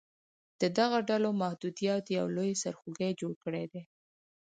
د دغه ډلو موجودیت یو لوی سرخوږې جوړ کړیدی